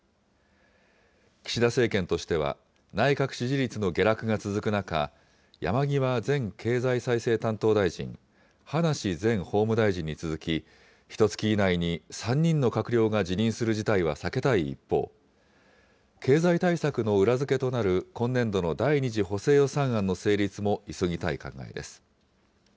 岸田政権としては、内閣支持率の下落が続く中、山際前経済再生担当大臣、葉梨前法務大臣に続き、ひとつき以内に３人の閣僚が辞任する事態は避けたい一方、経済対策の裏付けとなる今年度の第２次補正予算案の成立も急ぎたい考えです。